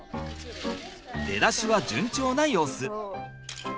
出だしは順調な様子。